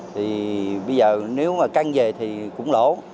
thì bây giờ nếu mà căng về thì cũng lỗ